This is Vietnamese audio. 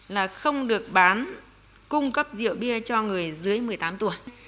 là không được bán cung cấp rượu bia cho người dưới một mươi tám tuổi